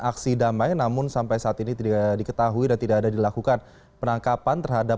aksi damai namun sampai saat ini tidak diketahui dan tidak ada dilakukan penangkapan terhadap